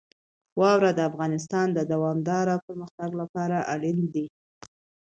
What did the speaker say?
واوره د افغانستان د دوامداره پرمختګ لپاره اړین دي.